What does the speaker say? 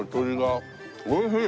おいしい！